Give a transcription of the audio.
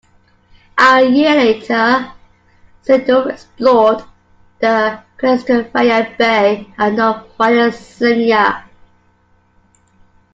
A year later Sedov explored the Krestovaya Bay on Novaya Zemlya.